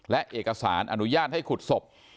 และเอกสารอนุญาตให้ขุดศพ